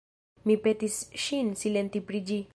Mi petis ŝin silenti pri ĝi.